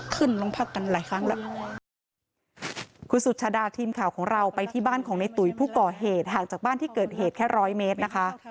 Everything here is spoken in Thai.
คุณสุชาดาทีมข่าวของเราไปที่บ้านของในตุ๋ยผู้ก่อเหตุห่างจากบ้านที่เกิดเหตุแค่ร้อยเมตรนะคะ